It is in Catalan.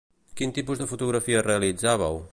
Quin tipus de fotografies realitzàveu?